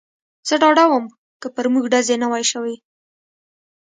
زه ډاډه ووم، که پر موږ ډزې نه وای شوې.